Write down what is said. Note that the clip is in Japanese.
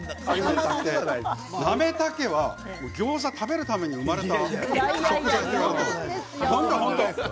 なめたけはギョーザを食べるために生まれた。